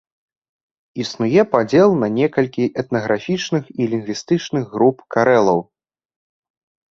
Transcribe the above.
Існуе падзел на некалькі этнаграфічных і лінгвістычных груп карэлаў.